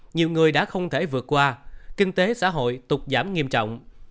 nhiều người đã không thể vượt qua kinh tế xã hội tục giảm nghiêm trọng